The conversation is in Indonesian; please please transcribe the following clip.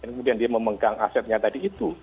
kemudian dia memegang asetnya tadi itu